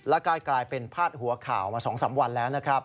และกลายเป็นพาดหัวข่าวมา๒๓วันแล้วนะครับ